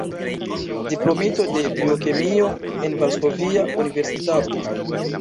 Diplomito de biokemio en Varsovia Universitato.